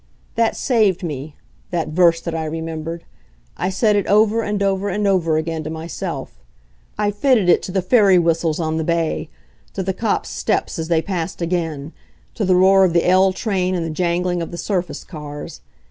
That saved me that verse that I remembered. I said it over and over and over again to myself. I fitted it to the ferry whistles on the bay to the cop's steps as they passed again to the roar of the L train and the jangling of the surface cars.